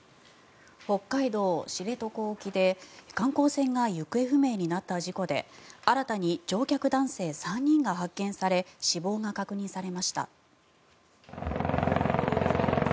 北海道・知床沖で観光船が行方不明になった事故で新たに乗客男性３人が発見され死亡が確認されました。